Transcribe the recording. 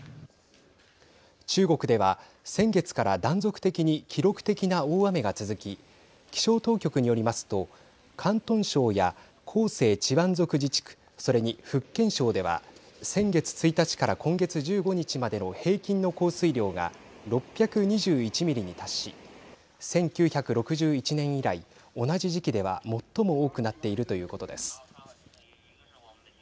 中国では先月から断続的に記録的な大雨が続き気象当局によりますと広東省や広西チワン族自治区それに福建省では先月１日から今月１５日までの平均の降水量が６２１ミリに達し１９６１年以来同じ時期では最も多くなっているということです。